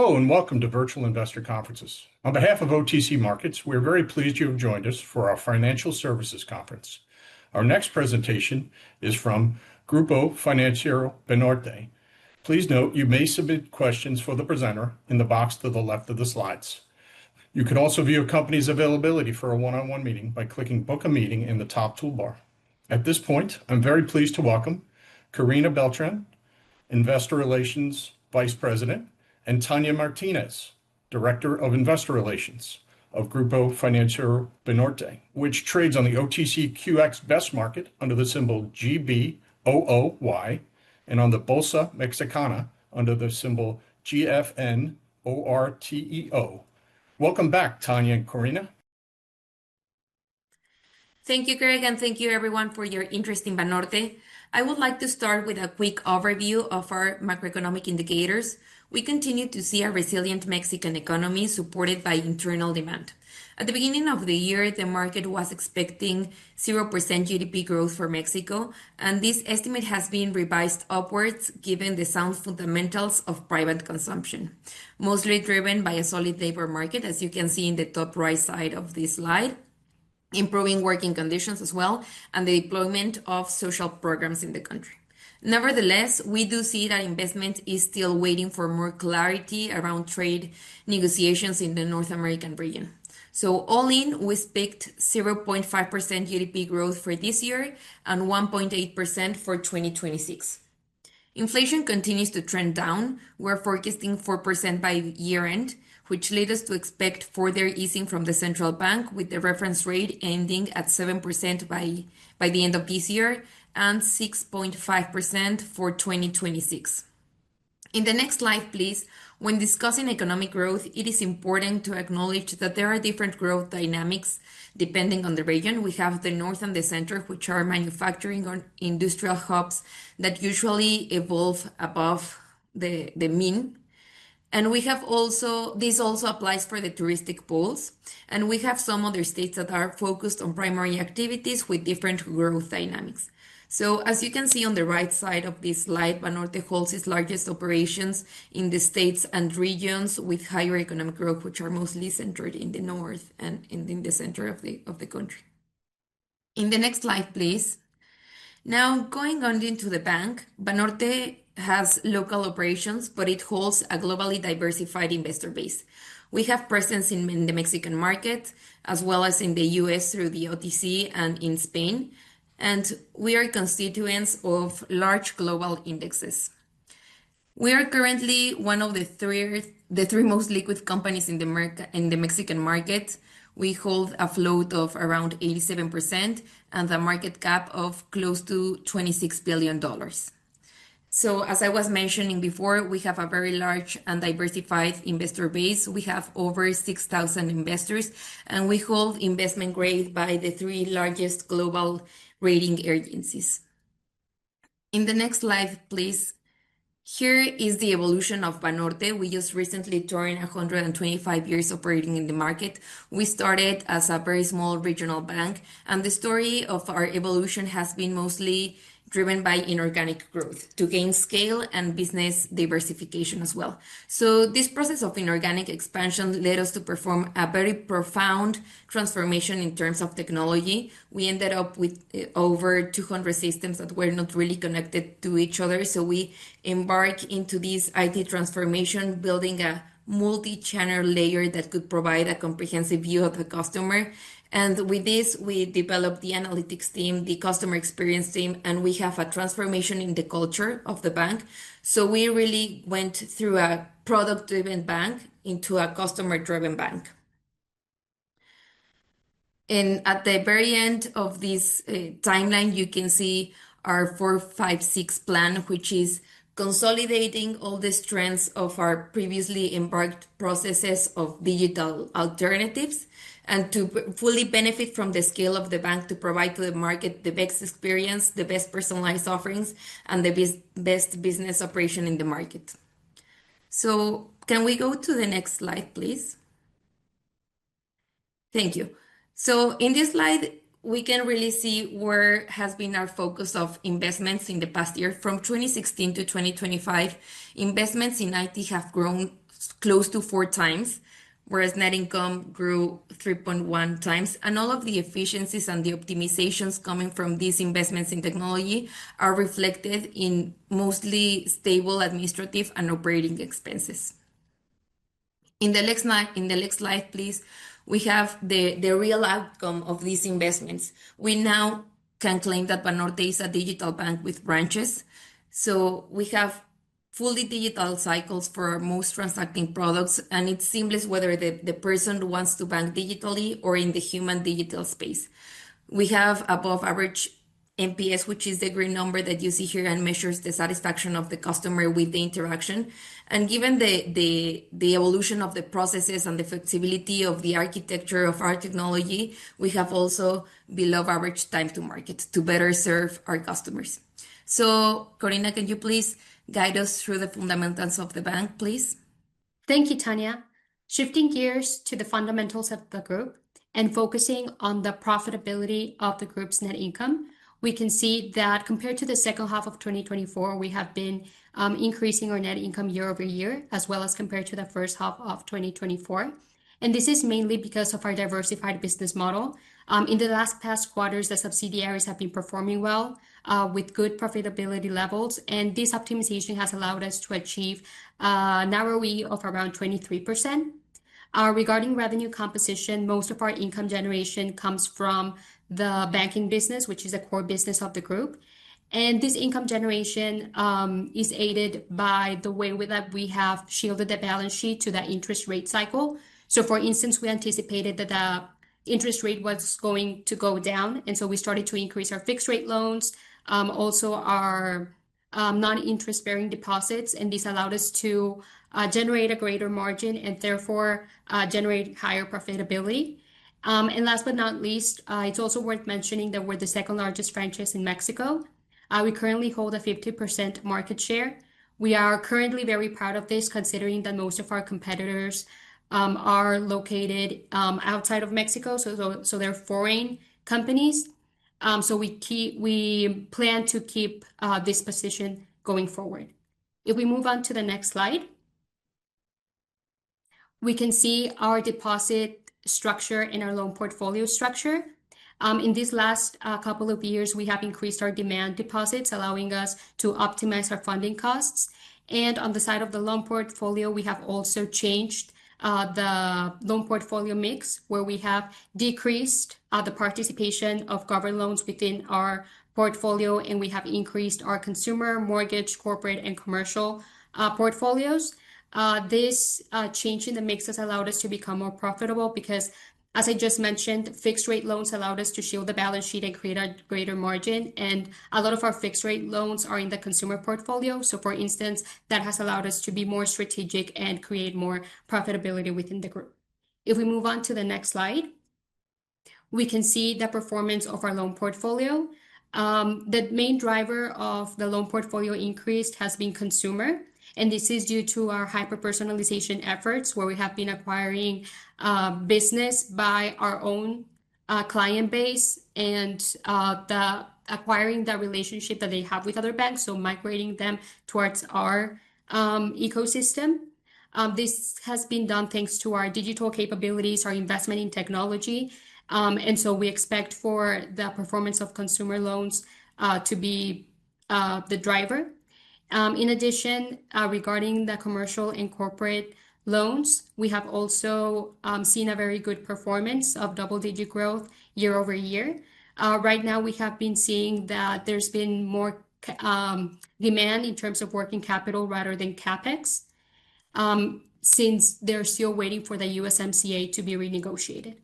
Hello, and welcome to Virtual Investor Conferences. On behalf of OTC Markets, we are very pleased you have joined us for our Financial Services Conference. Our next presentation is from Grupo Financiero Banorte. Please note you may submit questions for the presenter in the box to the left of the slides. You can also view a company's availability for a one-on-one meeting by clicking "Book a Meeting" in the top toolbar. At this point, I'm very pleased to welcome Corina Beltrán, Investor Relations Vice President, and Tania Martínez, Director of Investor Relations of Grupo Financiero Banorte, which trades on the OTCQX Best Market under the symbol GBOOY and on the Bolsa Mexicana under the symbol GFNORTEO. Welcome back, Tania and Corina. Thank you, Greg, and thank you, everyone, for your interest in Banorte. I would like to start with a quick overview of our macroeconomic indicators. We continue to see a resilient Mexican economy supported by internal demand. At the beginning of the year, the market was expecting 0% GDP growth for Mexico, and this estimate has been revised upwards given the sound fundamentals of private consumption, mostly driven by a solid labor market, as you can see in the top right side of this slide, improving working conditions as well, and the deployment of social programs in the country. Nevertheless, we do see that investment is still waiting for more clarity around trade negotiations in the North American region. So, all in, we spiked 0.5% GDP growth for this year and 1.8% for 2026. Inflation continues to trend down. We're forecasting 4% by year-end, which leads us to expect further easing from the central bank, with the reference rate ending at 7% by the end of this year and 6.5% for 2026. In the next slide, please. When discussing economic growth, it is important to acknowledge that there are different growth dynamics depending on the region. We have the north and the center, which are manufacturing or industrial hubs that usually evolve above the mean. And we have also, this also applies for the touristic poles. And we have some other states that are focused on primary activities with different growth dynamics. So, as you can see on the right side of this slide, Banorte holds its largest operations in the states and regions with higher economic growth, which are mostly centered in the north and in the center of the country. In the next slide, please. Now, going on into the bank, Banorte has local operations, but it holds a globally diversified investor base. We have presence in the Mexican market as well as in the U.S. through the OTC and in Spain, and we are constituents of large global indexes. We are currently one of the three most liquid companies in the Mexican market. We hold a float of around 87% and the market cap of close to $26 billion. So, as I was mentioning before, we have a very large and diversified investor base. We have over 6,000 investors, and we hold investment grade by the three largest global rating agencies. In the next slide, please. Here is the evolution of Banorte. We just recently turned 125 years operating in the market. We started as a very small regional bank, and the story of our evolution has been mostly driven by inorganic growth to gain scale and business diversification as well. So, this process of inorganic expansion led us to perform a very profound transformation in terms of technology. We ended up with over 200 systems that were not really connected to each other. So, we embarked into this IT transformation, building a multi-channel layer that could provide a comprehensive view of the customer. And with this, we developed the analytics team, the customer experience team, and we have a transformation in the culture of the bank. So, we really went through a product-driven bank into a customer-driven bank. At the very end of this timeline, you can see our 4-5-6 Plan, which is consolidating all the strengths of our previously embarked processes of digital alternatives and to fully benefit from the scale of the bank to provide to the market the best experience, the best personalized offerings, and the best business operation in the market. Can we go to the next slide, please? Thank you. In this slide, we can really see where has been our focus of investments in the past year. From 2016 to 2025, investments in IT have grown close to four times, whereas net income grew 3.1 times. All of the efficiencies and the optimizations coming from these investments in technology are reflected in mostly stable administrative and operating expenses. In the next slide, please, we have the real outcome of these investments. We now can claim that Banorte is a digital bank with branches, so we have fully digital cycles for most transacting products, and it's seamless whether the person wants to bank digitally or in the human-digital space. We have above-average NPS, which is the green number that you see here and measures the satisfaction of the customer with the interaction, and given the evolution of the processes and the flexibility of the architecture of our technology, we have also below-average time to market to better serve our customers, so Corina, can you please guide us through the fundamentals of the bank, please? Thank you, Tania. Shifting gears to the fundamentals of the group and focusing on the profitability of the group's net income, we can see that compared to the second half of 2024, we have been increasing our net income year-over-year, as well as compared to the first half of 2024. And this is mainly because of our diversified business model. In the last past quarters, the subsidiaries have been performing well with good profitability levels, and this optimization has allowed us to achieve an ROE of around 23%. Regarding revenue composition, most of our income generation comes from the banking business, which is a core business of the group. And this income generation is aided by the way that we have shielded the balance sheet to the interest rate cycle. For instance, we anticipated that the interest rate was going to go down, and so we started to increase our fixed-rate loans, also our non-interest-bearing deposits, and this allowed us to generate a greater margin and therefore generate higher profitability. And last but not least, it's also worth mentioning that we're the second-largest franchise in Mexico. We currently hold a 50% market share. We are currently very proud of this, considering that most of our competitors are located outside of Mexico, so they're foreign companies. So, we plan to keep this position going forward. If we move on to the next slide, we can see our deposit structure and our loan portfolio structure. In these last couple of years, we have increased our demand deposits, allowing us to optimize our funding costs. On the side of the loan portfolio, we have also changed the loan portfolio mix, where we have decreased the participation of government loans within our portfolio, and we have increased our consumer, mortgage, corporate, and commercial portfolios. This change in the mix has allowed us to become more profitable because, as I just mentioned, fixed-rate loans allowed us to shield the balance sheet and create a greater margin. A lot of our fixed-rate loans are in the consumer portfolio. For instance, that has allowed us to be more strategic and create more profitability within the group. If we move on to the next slide, we can see the performance of our loan portfolio. The main driver of the loan portfolio increase has been consumer, and this is due to our hyper-personalization efforts, where we have been acquiring business by our own client base and acquiring the relationship that they have with other banks, so migrating them towards our ecosystem. This has been done thanks to our digital capabilities, our investment in technology. And so, we expect for the performance of consumer loans to be the driver. In addition, regarding the commercial and corporate loans, we have also seen a very good performance of double-digit growth year over year. Right now, we have been seeing that there's been more demand in terms of working capital rather than CapEx since they're still waiting for the USMCA to be renegotiated.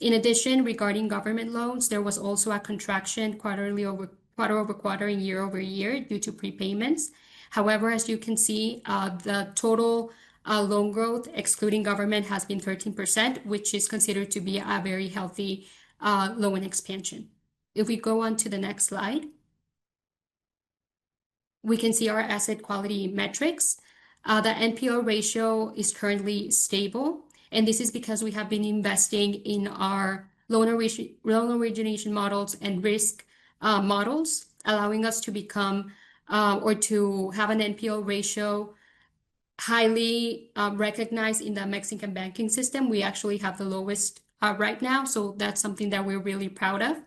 In addition, regarding government loans, there was also a contraction quarter over quarter and year over year due to prepayments. However, as you can see, the total loan growth, excluding government, has been 13%, which is considered to be a very healthy loan expansion. If we go on to the next slide, we can see our asset quality metrics. The NPL ratio is currently stable, and this is because we have been investing in our loan origination models and risk models, allowing us to become or to have an NPL ratio highly recognized in the Mexican banking system. We actually have the lowest right now, so that's something that we're really proud of.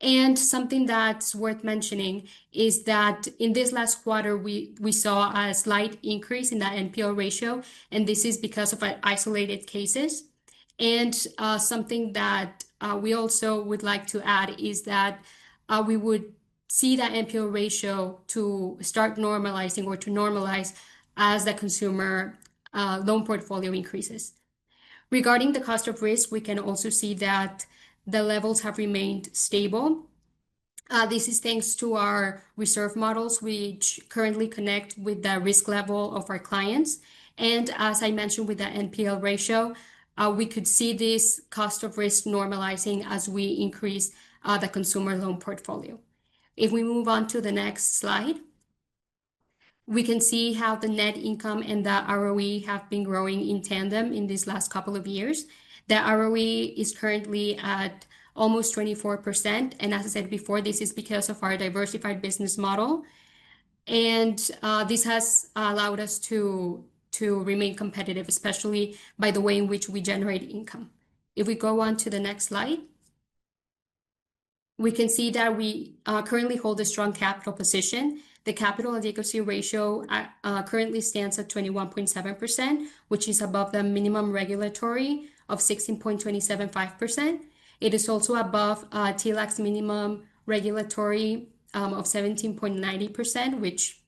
And something that's worth mentioning is that in this last quarter, we saw a slight increase in the NPL ratio, and this is because of isolated cases. And something that we also would like to add is that we would see the NPL ratio start normalizing or to normalize as the consumer loan portfolio increases. Regarding the cost of risk, we can also see that the levels have remained stable. This is thanks to our reserve models, which currently connect with the risk level of our clients, and as I mentioned with the NPL ratio, we could see this cost of risk normalizing as we increase the consumer loan portfolio. If we move on to the next slide, we can see how the net income and the ROE have been growing in tandem in these last couple of years. The ROE is currently at almost 24%, and as I said before, this is because of our diversified business model, and this has allowed us to remain competitive, especially by the way in which we generate income. If we go on to the next slide, we can see that we currently hold a strong capital position. The capital and leverage ratio currently stands at 21.7%, which is above the minimum regulatory of 16.275%. It is also above TLAC's minimum regulatory of 17.90%, which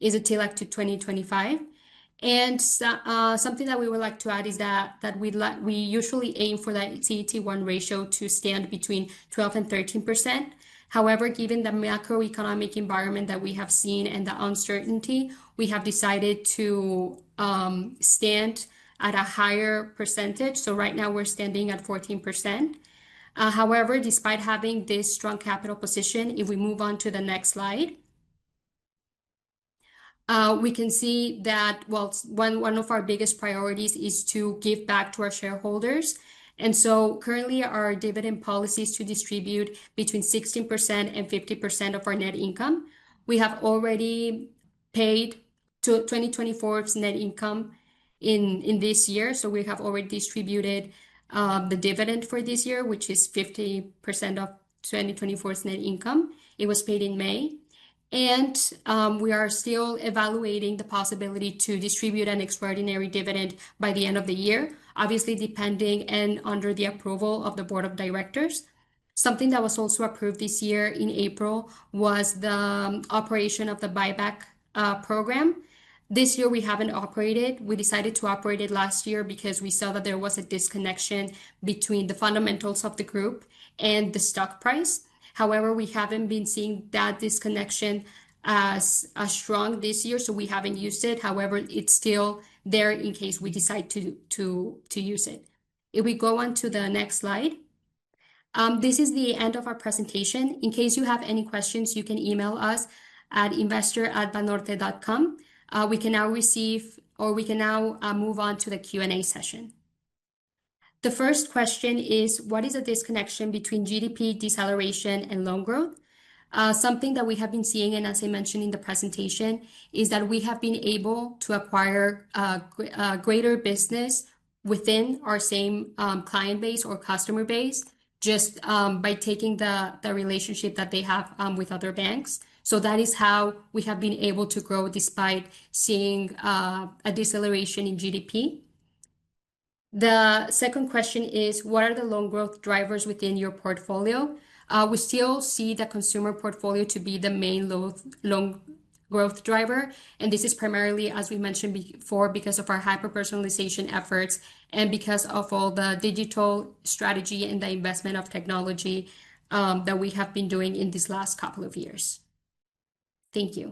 is a TLAC to 2025, and something that we would like to add is that we usually aim for that CET1 ratio to stand between 12% and 13%. However, given the macroeconomic environment that we have seen and the uncertainty, we have decided to stand at a higher percentage, so right now, we're standing at 14%. However, despite having this strong capital position, if we move on to the next slide, we can see that, well, one of our biggest priorities is to give back to our shareholders, and so currently, our dividend policy is to distribute between 16% and 50% of our net income. We have already paid 2024's net income in this year. So we have already distributed the dividend for this year, which is 50% of 2024's net income. It was paid in May. And we are still evaluating the possibility to distribute an extraordinary dividend by the end of the year, obviously depending and under the approval of the board of directors. Something that was also approved this year in April was the operation of the buyback program. This year, we haven't operated. We decided to operate it last year because we saw that there was a disconnection between the fundamentals of the group and the stock price. However, we haven't been seeing that disconnection as strong this year, so we haven't used it. However, it's still there in case we decide to use it. If we go on to the next slide, this is the end of our presentation. In case you have any questions, you can email us at investor@banorte.com. We can now receive or we can now move on to the Q&A session. The first question is, what is the disconnection between GDP deceleration and loan growth? Something that we have been seeing, and as I mentioned in the presentation, is that we have been able to acquire a greater business within our same client base or customer base just by taking the relationship that they have with other banks. So that is how we have been able to grow despite seeing a deceleration in GDP. The second question is, what are the loan growth drivers within your portfolio? We still see the consumer portfolio to be the main loan growth driver. This is primarily, as we mentioned before, because of our hyper-personalization efforts and because of all the digital strategy and the investment of technology that we have been doing in these last couple of years. Thank you.